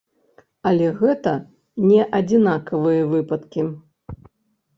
Але гэта не адзінкавыя выпадкі.